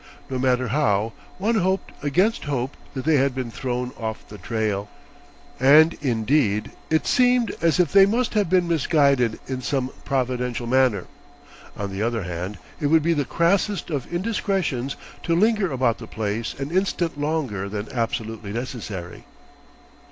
No matter how, one hoped against hope that they had been thrown off the trail. And indeed it seemed as if they must have been misguided in some providential manner. On the other hand, it would be the crassest of indiscretions to linger about the place an instant longer than absolutely necessary.